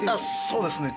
そうですね。